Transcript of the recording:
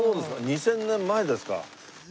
２０００年前ですか。